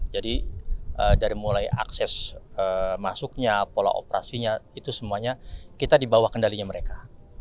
jadi dari mulai akses masuknya pola operasinya itu semuanya kita dibawa kendalinya mereka